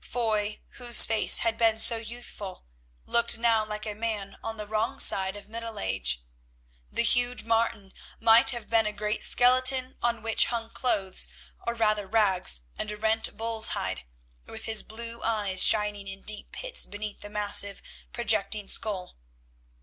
Foy, whose face had been so youthful, looked now like a man on the wrong side of middle age. The huge Martin might have been a great skeleton on which hung clothes, or rather rags and a rent bull's hide, with his blue eyes shining in deep pits beneath the massive, projecting skull.